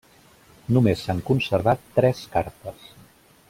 Només s'han conservat tres cartes.